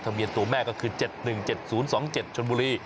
เบียนตัวแม่ก็คือ๗๑๗๐๒๗ชนบุรี